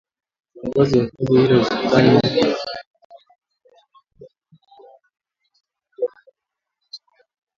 Kiongozi wa kundi hilo Sultani Makenga anaaminika kurudi Kongo, na badhi ya vyombo vya habari vimeripoti kwamba anaongoza mashambulizi mapya.